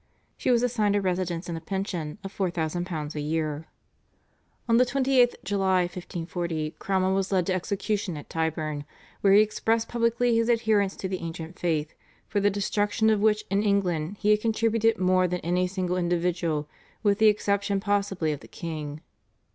She was assigned a residence and a pension of £4,000 a year. On the 28th July, 1540, Cromwell was led to execution at Tyburn, where he expressed publicly his adherence to the ancient faith, for the destruction of which in England he had contributed more than any single individual with the exception possibly of the king.